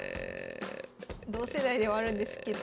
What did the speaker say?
同世代ではあるんですけど。